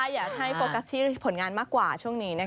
อยากให้โฟกัสที่ผลงานมากกว่าช่วงนี้